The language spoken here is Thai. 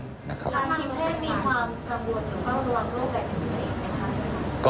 คิมแพทย์มีความคำรวบหรือเฝ้าร่วมโรคนแบบอีกสิ่งใช่ไหมครับ